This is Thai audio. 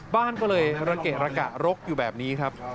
บ้านก็เลยระเกะระกะรกอยู่แบบนี้ครับ